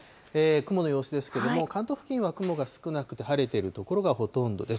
雲の様子ですけども、関東付近は雲が少なくて晴れてる所がほとんどです。